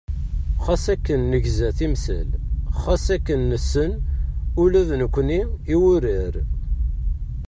Xas akken negza timsal, xas akken nessen ula d nekkni i wurar.